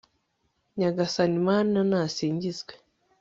nyagasani mana, nasingizwe